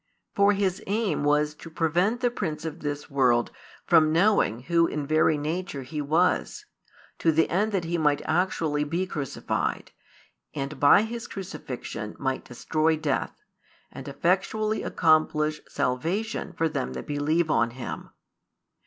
For His aim was to prevent the prince of this world from knowing who in very nature He was, to the end that He might actually be crucified, and by His crucifixion might destroy death, and effectually accomplish salvation for them that believe on Him.